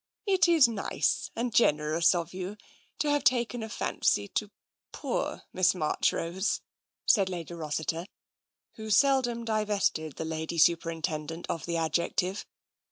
" It is nice and generous of you to have taken a fancy to poor Miss Marchrose," said Lady Rossiter, who seldom divested the Lady Superintendent of the adjective.